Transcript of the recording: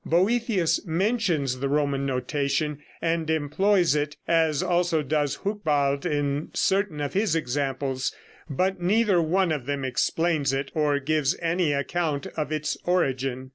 Boethius mentions the Roman notation, and employs it, as also does Hucbald in certain of his examples, but neither one of them explains it or gives any account of its origin.